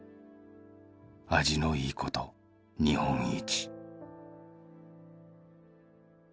「味のいいこと日本一」